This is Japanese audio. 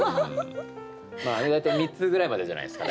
まああれ大体３つぐらいまでじゃないですか大体。